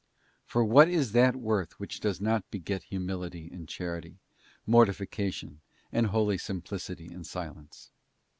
For what is that worth which does not beget humility and charity, mortification, and holy simplicity and silence